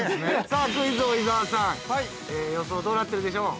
◆さあクイズ王・伊沢さん、予想はどうなってるでしょう。